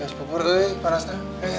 kasih pupur dulu ya panasnya